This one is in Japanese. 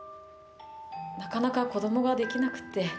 なかなか子どもができなくて。